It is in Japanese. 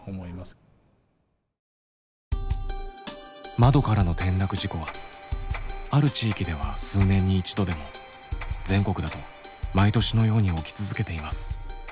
窓からの転落事故はある地域では数年に一度でも全国だと毎年のように起き続けています。